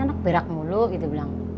anak perak mulu gitu bilang